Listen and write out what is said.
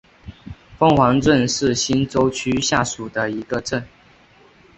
凤凰镇是新洲区下属的一个镇。